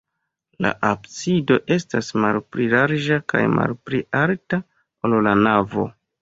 La absido estas malpli larĝa kaj malpli alta, ol la navo.